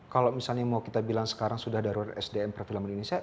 kalau misalnya mau kita bilang sekarang sudah darurat sdm perfilman indonesia